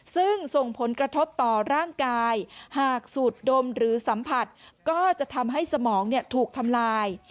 ซึ่งส่งผลกระทบต่อร่างกายหากสูดดมหรือสัมผัสก็จะทำให้สมองถูกทำลาย